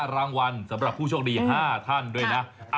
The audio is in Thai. รางวัลสำหรับผู้โชคดี๕ท่านด้วยนะ